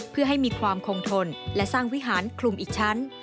เพื่อให้มีความคงทนและสร้างวิหารคลุมอีกชั้น